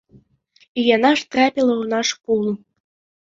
І яна ж трапіла ў наш пул.